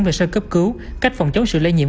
về sơ cấp cứu cách phòng chống sự lây nhiễm